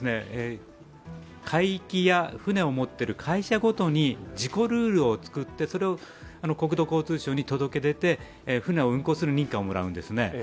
海域や船を持っている会社ごとに事故ルールを作ってそれを国土交通省に届け出て船を運航する認可をもらうんです。